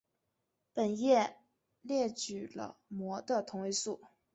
本页列举了镆的同位素。